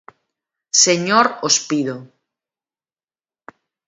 Señor Ospido.